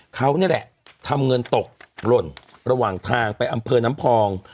เขานี่แหละทำเงินตกหล่นระหว่างทางไปอำเภอน้ำพอง